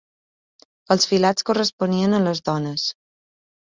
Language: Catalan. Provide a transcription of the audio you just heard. Els filats corresponien a les dones.